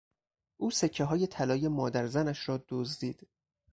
او سکههای طلای مادرزنش را دزدید.